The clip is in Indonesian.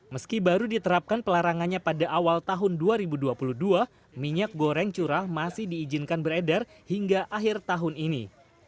meski baru diterapkan pelarangannya pada awal tahun dua ribu dua puluh dua minyak goreng curah masih diizinkan beredar hingga akhir tahun ini